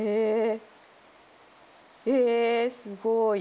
えすごい。